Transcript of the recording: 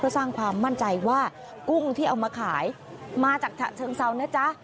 สร้างความมั่นใจว่ากุ้งที่เอามาขายมาจากฉะเชิงเซานะจ๊ะ